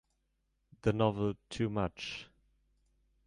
The novel Two Much!